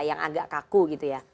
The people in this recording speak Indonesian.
yang agak kaku gitu ya